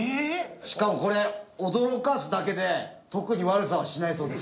しかもこれ驚かすだけで特に悪さはしないそうです。